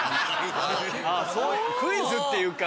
クイズっていうか。